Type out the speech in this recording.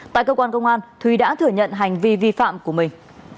tại cơ quan công an thúy đã thừa nhận hành vi vi phạm của mình